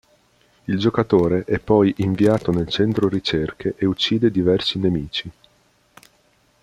Il giocatore è poi inviato nel centro ricerche, e uccide diversi nemici.